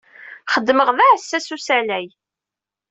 Xeddmeɣ d aɛessas n usalay.